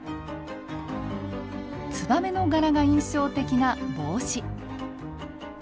ツバメの柄が印象的な帽子。